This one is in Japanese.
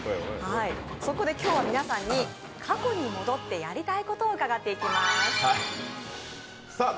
そこで今日は皆さんに過去に戻ってやりたいことを伺います。